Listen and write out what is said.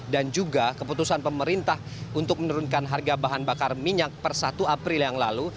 dan juga keputusan pemerintah untuk menurunkan harga bahan bakar minyak per satu april yang lalu